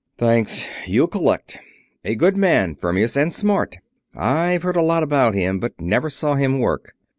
"Thanks. You'll collect. A good man, Fermius, and smart. I've heard a lot about him, but never saw him work.